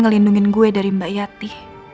ngelindungin gue dari mbak yati